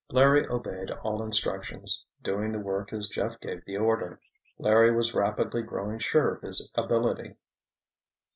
Larry obeyed all instructions, doing the work as Jeff gave the order. Larry was rapidly growing sure of his ability.